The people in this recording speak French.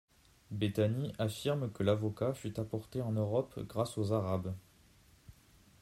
Bettany affirme que l'avocat fut apporté en Europe grace aux arabes.